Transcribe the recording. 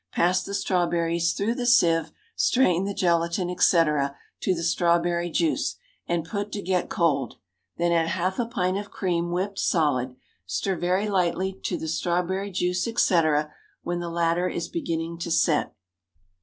Pass the strawberries through the sieve; strain the gelatine, etc., to the strawberry juice, and put to get cold; then add half a pint of cream whipped solid. Stir very lightly to the strawberry juice, etc., when the latter is beginning to set.